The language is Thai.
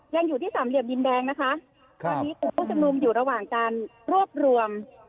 ยังอยู่ที่สามเหลี่ยมดินแดงนะคะตอนนี้กลุ่มผู้ชมนุมอยู่ระหว่างการรวบรวม